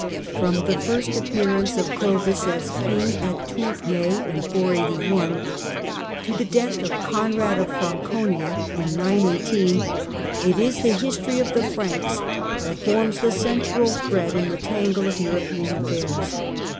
From the first {appearance of Clovis as king at Tournai in 481 to the jieath of Conrad of Franconia in 918 it is the history of ■the Franks that forms the central thread in the tangle not European affairs.